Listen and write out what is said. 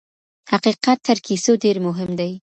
حقیقت تر کیسو ډېر مهم دی.